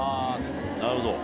なるほど。